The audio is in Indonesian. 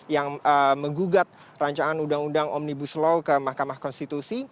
yang menggugat rancangan undang undang omnibus law ke mahkamah konstitusi